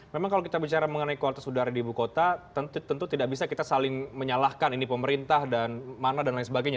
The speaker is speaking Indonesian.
memang kalau kita bicara mengenai kualitas udara di ibu kota tentu tidak bisa kita saling menyalahkan ini pemerintah dan mana dan lain sebagainya